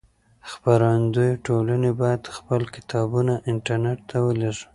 خپرندويې ټولنې بايد خپل کتابونه انټرنټ ته ولېږي.